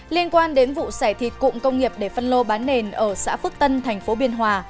liên quan đến vụ sẻ thịt cụm công nghiệp để phân lô bán nền ở xã phước tân thành phố biên hòa